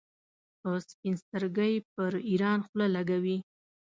په سپین سترګۍ پر ایران خوله لګوي.